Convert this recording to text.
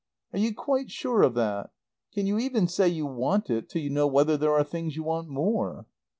_ Are you quite sure of that? Can you even say you want it till you know whether there are things you want more?"